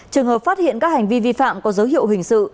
trường hợp phát hiện các hành vi vi phạm có dấu hiệu hình sự